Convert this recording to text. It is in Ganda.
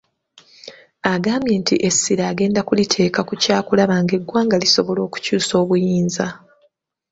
Agambye nti essira agenda kuliteeka ku kyakulaba ng'eggwanga lisobola okukyusa obuyinza.